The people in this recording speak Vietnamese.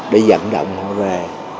chẳng đọng không về